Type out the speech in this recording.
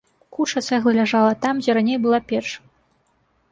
Куча цэглы ляжала там, дзе раней была печ.